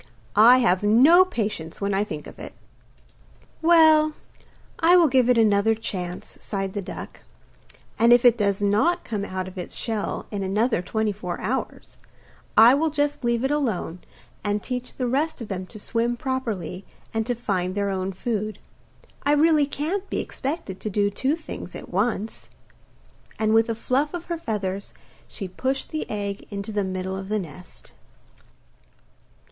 I have no patience when I think of it.' 'Well, I will give it another chance,' sighed the duck, 'and if it does not come out of its shell in another twenty four hours, I will just leave it alone and teach the rest of them to swim properly and to find their own food. I really can't be expected to do two things at once.' And with a fluff of her feathers she pushed the egg into the middle of the nest.